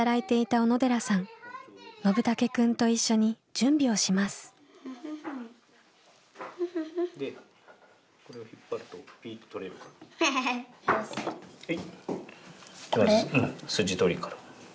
うん筋取りから。